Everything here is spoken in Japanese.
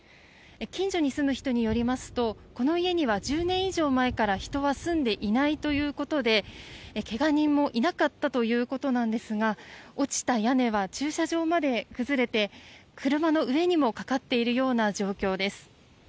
近所に住む人によりますとこの家には１０年以上前から人は住んでいないということで怪我人もいなかったということなんですが落ちた屋根は駐車場まで崩れて車の上にもかかっているような状況です。